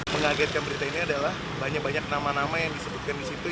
mengagetkan berita ini adalah banyak banyak nama nama yang disebutkan di situ